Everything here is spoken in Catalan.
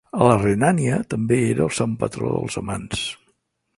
A la Renània, també era el sant patró dels amants.